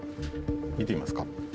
見てみますか？